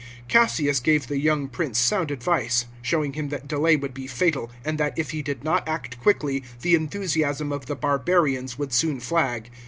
Cassius gave the young prince sound advice, showing him that delay would be fatal, and that if he did not act quickly the enthusiasm of the barbarians would soon flag.